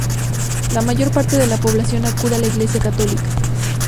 La mayor parte de la población acude a la iglesia católica.